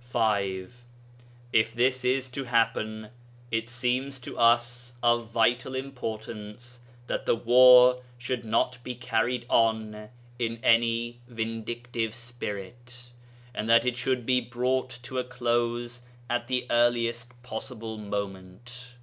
5. If this is to happen, it seems to us of vital importance that the war should not be carried on in any vindictive spirit, and that it should be brought to a close at the earliest possible moment.